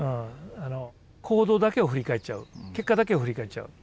行動だけを振り返っちゃう結果だけを振り返っちゃう。